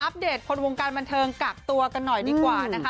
เดตคนวงการบันเทิงกักตัวกันหน่อยดีกว่านะคะ